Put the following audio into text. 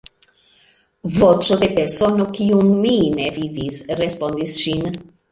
Voĉo de persono, kiun mi ne vidis, respondis ŝin.